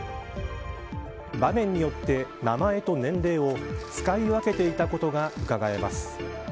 場面によって名前と年齢を使い分けていたことがうかがえます。